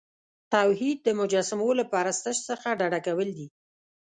توحید د مجسمو له پرستش څخه ډډه کول دي.